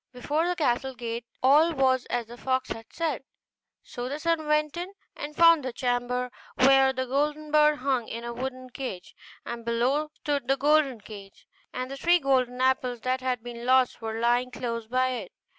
Before the castle gate all was as the fox had said: so the son went in and found the chamber where the golden bird hung in a wooden cage, and below stood the golden cage, and the three golden apples that had been lost were lying close by it.